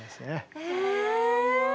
え！